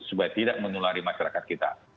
supaya tidak menulari masyarakat kita